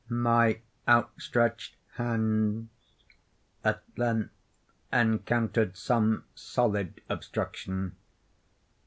My outstretched hands at length encountered some solid obstruction.